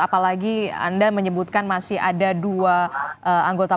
apalagi anda menyebutkan masih ada dua anggota